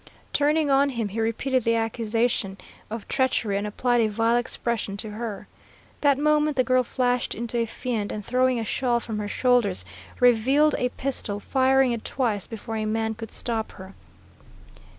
Turning on her, he repeated the accusation of treachery, and applied a vile expression to her. That moment the girl flashed into a fiend, and throwing a shawl from her shoulders, revealed a pistol, firing it twice before a man could stop her.